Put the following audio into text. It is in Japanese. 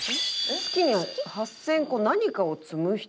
月に８０００個何かを積む人？